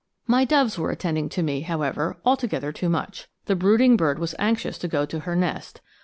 My doves were attending to me, however, altogether too much. The brooding bird was anxious to go to her nest.